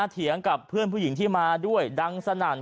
เถียงกับเพื่อนผู้หญิงที่มาด้วยดังสนั่น